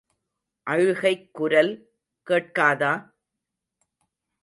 அழுகைக் குரல் கேட்காதா?